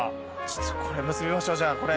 結びましょうじゃあこれ。